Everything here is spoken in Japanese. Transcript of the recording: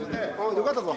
よかったぞ。